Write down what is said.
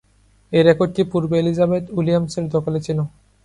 এই রেকর্ডটি পূর্বে এলিজাবেথ উইলিয়ামসের দখলে ছিল।